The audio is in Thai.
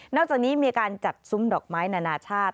อกจากนี้มีการจัดซุ้มดอกไม้นานาชาติ